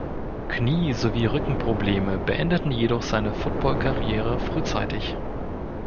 Knie-, sowie Rückenprobleme beendeten jedoch seine Football Karriere frühzeitig.